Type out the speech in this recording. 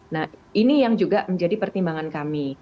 nah ini yang juga menjadi pertimbangan kami